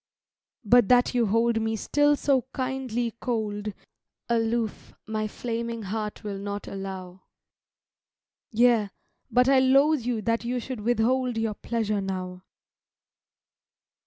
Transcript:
But that you hold me still so kindly cold Aloof my flaming heart will not allow; Yea, but I loathe you that you should withhold Your pleasure now.